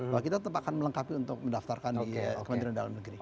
bahwa kita tetap akan melengkapi untuk mendaftarkan di kementerian dalam negeri